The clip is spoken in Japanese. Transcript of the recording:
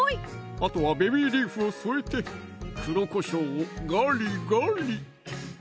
あとはベビーリーフを添えて黒こしょうをガリガリ！